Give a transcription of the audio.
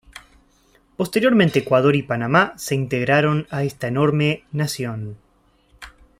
Posteriormente Ecuador y Panamá se integraron a esta enorme nación.